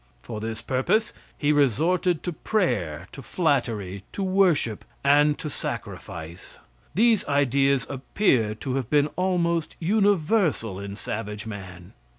For this purpose he resorted to prayer, to flattery, to worship and to sacrifice. These ideas appear to have been almost universal in savage man.